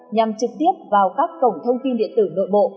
nhằm trực tiếp vào các cổng thông tin điện tử nội bộ